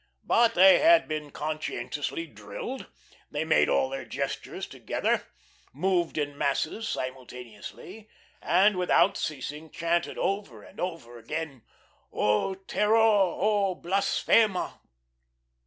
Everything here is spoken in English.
But they had been conscientiously drilled. They made all their gestures together, moved in masses simultaneously, and, without ceasing, chanted over and over again: "O terror, O blasfema."